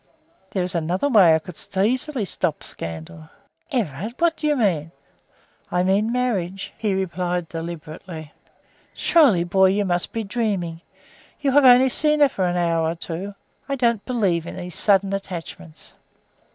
"There is another way; I could easily stop scandal." "Everard, what do you mean!" "I mean marriage," he replied deliberately. "Surely, boy, you must be dreaming! You have only seen her for an hour or two. I don't believe in these sudden attachments."